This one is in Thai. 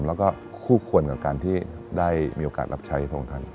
แล้วก็คู่ควรกับการที่ได้มีโอกาสรับใช้พระองค์ท่าน